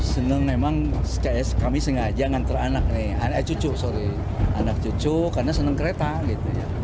senang memang kami sengaja nganter anak nih cucu sorry anak cucu karena senang kereta gitu